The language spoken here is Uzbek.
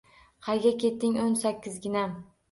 Qayga ketding o’n sakkizginam?